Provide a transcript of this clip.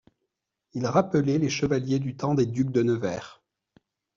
Il rappelait les chevaliers du temps des ducs de Nevers.